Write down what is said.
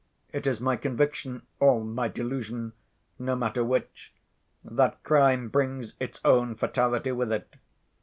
It is my conviction, or my delusion, no matter which, that crime brings its own fatality with it.